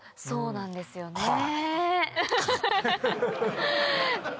そうなんですよね。